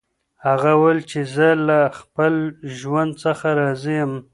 هغه وویل چې زه له خپل ژوند څخه راضي یم.